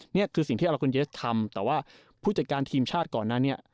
เนี้ยคือสิ่งที่ทำแต่ว่าผู้จัดการทีมชาติก่อนน่ะเนี้ย